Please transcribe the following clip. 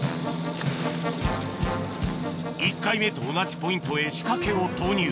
１回目と同じポイントへ仕掛けを投入